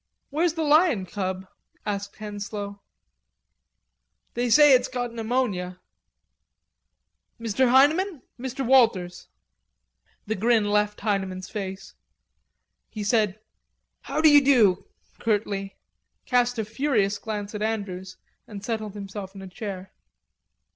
"Where's the lion cub?" asked Henslowe. "They say it's got pneumonia." "Mr. Heineman. Mr. Walters." The grin left Heineman's face; he said: "How do you do?" curtly, cast a furious glance at Andrews and settled himself in a chair.